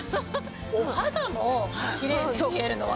お肌もキレイに見えるのは？